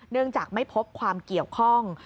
เนื่องจากไม่พบความเกี่ยวข้อง